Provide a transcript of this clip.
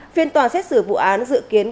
phiên toàn xét xử vụ án dự kiến